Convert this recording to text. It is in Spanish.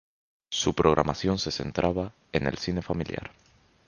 Su programación se centraba en el cine familiar.